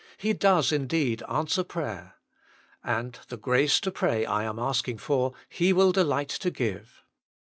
He does indeed answer prayer. And the grace to pray I am asking for He will delight to give."